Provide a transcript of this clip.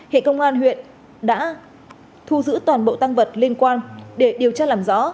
hệ công an huyện đã thu giữ toàn bộ tăng vật liên quan để điều tra làm rõ